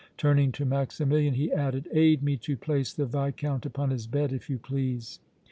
Turning to Maximilian, he added: "Aid me to place the Viscount upon his bed, if you please."